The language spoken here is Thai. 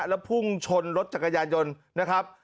แล้วพุ่งชนรถจักรยานยนต์นะครับ